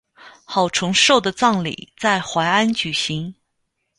郝崇寿的葬礼在淮安举行。